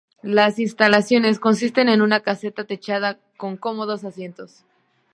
Las instalaciones consisten en una caseta techada con cómodos asientos.